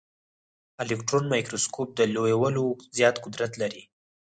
الکټرون مایکروسکوپ د لویولو زیات قدرت لري.